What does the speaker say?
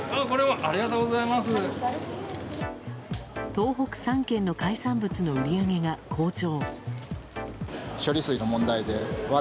東北３県の海産物の売り上げが好調。